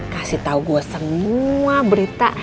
kasih tahu gue semua berita